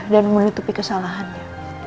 dan menutupi kesalahannya